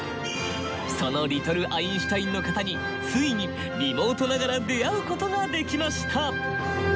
そのリトル・アインシュタインの方についにリモートながら出会うことができました。